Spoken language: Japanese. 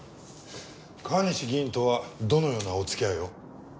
川西議員とはどのようなお付き合いを？